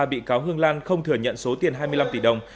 bị cáo hương lan không thừa nhận số tiền hai mươi năm tỷ đồng